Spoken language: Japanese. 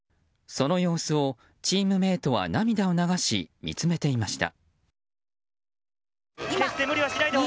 その様子をチームメートは涙を流し見つめていました。